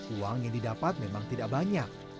uang yang didapat memang tidak banyak